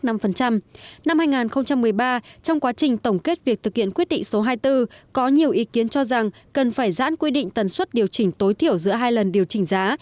năm hai nghìn một mươi ba trong quá trình tổng kết việc thực hiện quyết định số hai mươi bốn có nhiều ý kiến cho rằng cần phải giãn quy định tần suất điều chỉnh tối thiểu giữa hai lần điều chỉnh giá